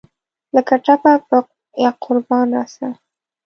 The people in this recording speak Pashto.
لکه ټپه پۀ یاقربان راسه !